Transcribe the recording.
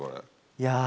いや。